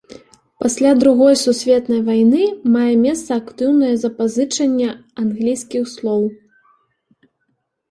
Пасля другой сусветнай вайны мае месца актыўнае запазычанне англійскіх слоў.